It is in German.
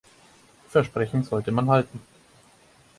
Versprechen sollte man halten.